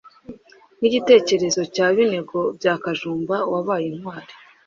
nk’igitekerezo cya Binego bya Kajumba wabaye intwari